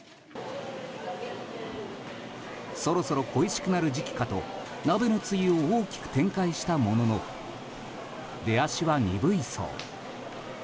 そろそろ恋しくなる時期かと鍋のつゆを大きく展開したものの出足は鈍いそう。